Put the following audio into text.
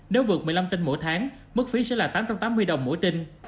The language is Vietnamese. nếu vượt một mươi năm tình mỗi tháng mức phí sẽ là tám trăm tám mươi đồng mỗi tình